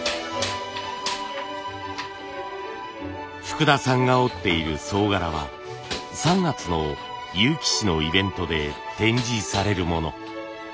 福田さんが織っている総柄は３月の結城市のイベントで展示されるもの。